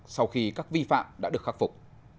sau khi các vi phạm đã được khắc phục